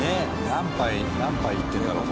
何杯何杯いってるんだろう？